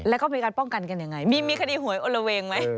แล้วก็มีการป้องกันกันยังไงมีคดีหวยอลละเวงไหม